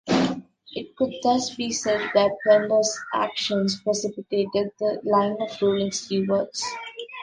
It could thus be said that Pelendur's actions precipitated the line of Ruling Stewards.